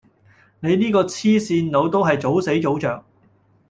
你呢個黐線佬都係早死早著